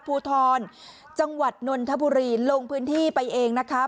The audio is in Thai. ภูทรจังหวัดนนทบุรีลงพื้นที่ไปเองนะคะ